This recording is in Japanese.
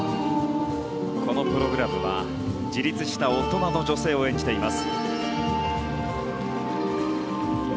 このプログラムは自立した大人の女性を演じています。